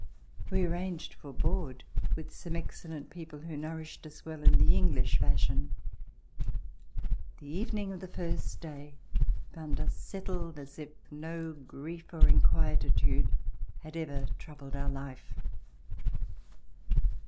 We arranged for board with some excellent people, who nourished us well in the English fashion. The evening of the first day found us settled as If no grief or inquietude had ever troubled our life.